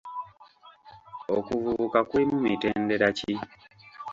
Okuvubuka kulimu mitendera ki?